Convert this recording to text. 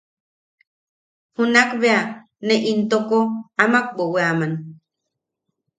Junakbea ne intoko amak weweaman.